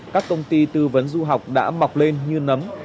các công ty tư vấn du học đã mọc lên như nấm